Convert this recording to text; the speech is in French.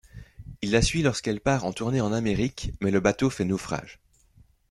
Il la suit lorsqu'elle part en tournée en Amérique, mais le bateau fait naufrage...